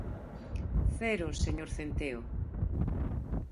Cero, señor Centeo.